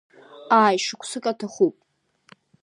Ааи, шықәсык аҭахуп.